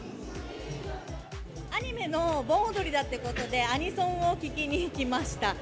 アニメの盆踊りだってことで、アニソンを聴きに来ました。